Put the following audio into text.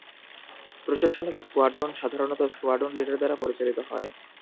প্রশাসনিক স্কোয়াড্রন সাধারণত squadron leader দ্বারা পরিচালিত হয়।